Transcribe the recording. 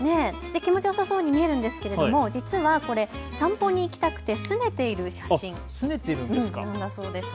気持ちよさそうに見えるんですけれども実はこれ、散歩に行きたくてすねている写真なんだそうです。